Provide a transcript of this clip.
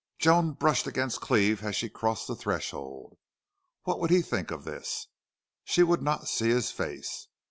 Joan brushed against Cleve as she crossed the threshold. What would he think of this? She would not see his face.